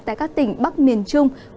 tại các tỉnh bắc miền trung